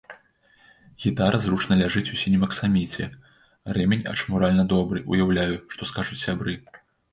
Гітара зручна ляжыць у сінім аксаміце, рэмень ачмуральна добры, уяўляю, што скажуць сябры.